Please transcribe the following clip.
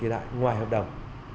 lại ngoài hợp đồng